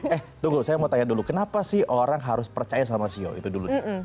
eh tunggu saya mau tanya dulu kenapa sih orang harus percaya sama sio itu dulunya